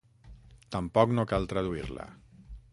Tampoc no cal traduir-la.